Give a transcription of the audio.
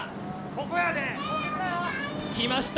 ここやで来ました